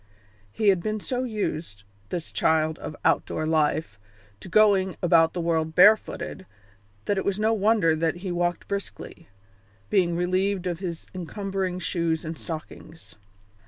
He had been so used, this child of outdoor life, to going about the world barefooted, that it was no wonder that he walked briskly, being relieved of his encumbering shoes and stockings.